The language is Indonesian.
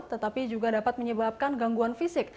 tetapi juga dapat menyebabkan gangguan fisik